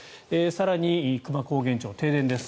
更に、久万高原町、停電です。